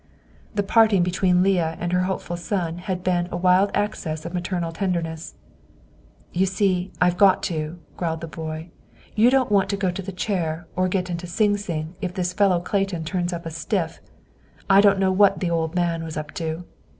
The parting between Leah and her hopeful son had been a wild access of maternal tenderness. "You see, I've got to," growled the boy. "You don't want to go to the chair, or get into Sing Sing, if this fellow Clayton turns up a stiff. I don't know what the 'old man' was up to.